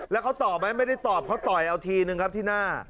แล้วเขาตอบไหมไม่ได้ตอบเขาต่อยเอาทีนึงครับที่หน้า